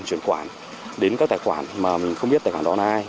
chuyển khoản đến các tài khoản mà mình không biết tài khoản đó là ai